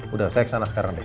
udah saya ke sana sekarang deh